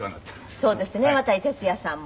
そうですってね渡哲也さんも。